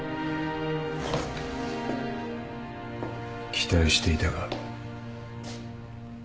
期待していたが。